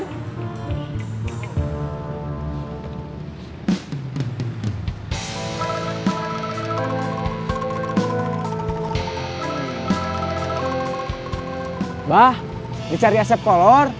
mbah dicari asep kolor